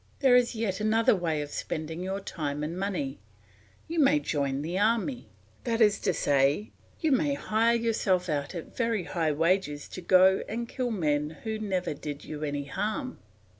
"There is yet another way of spending your time and money; you may join the army; that is to say, you may hire yourself out at very high wages to go and kill men who never did you any harm.